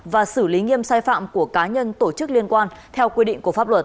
và xử lý nghiêm sai phạm của cá nhân tổ chức liên quan theo quy định của pháp luật